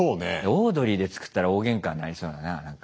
オードリーで作ったら大げんかになりそうだな何か。